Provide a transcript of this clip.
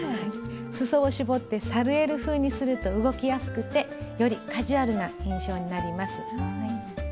すそを絞ってサルエル風にすると動きやすくてよりカジュアルな印象になります。